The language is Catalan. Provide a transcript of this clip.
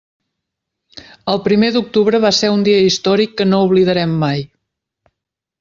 El primer d'octubre va ser un dia històric que no oblidarem mai.